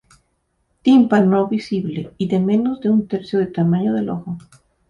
Tímpano no visible y de menos de un tercio del tamaño del ojo.